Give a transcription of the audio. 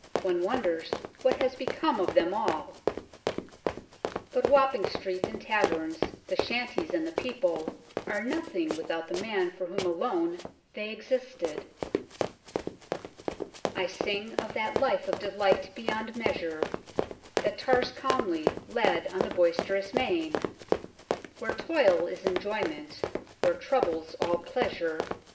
One wonders what has become of them all. But Wapping streets and taverns, the shanties and the people, are nothing without the man for whom alone they existed " I sing of that life of delight beyond measure That tars calmly lead on the boisterous main ; Where toil is enjoyment, where trouble's all pleasure.